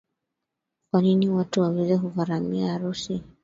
Kwa nini watu waweze kugharimia harusi.